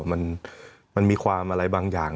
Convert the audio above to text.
มันมีความอะไรบางอย่าง